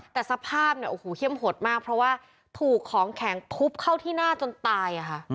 แต่สภาพเนี่ยโอ้โหเขี้ยมหดมากเพราะว่าถูกของแข็งทุบเข้าที่หน้าจนตายค่ะ